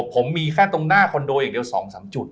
ผมมีเงินข้าวตรงหน้าคอนโดอย่างเดียว๒๓จุด